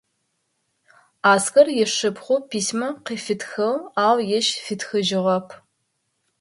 Аскэр ышыпхъу письма къыфитхыгъ, ау ежь фитхыжьыгъэп.